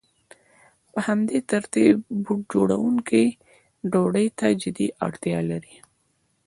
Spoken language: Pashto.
په همدې ترتیب بوټ جوړونکی ډوډۍ ته جدي اړتیا لري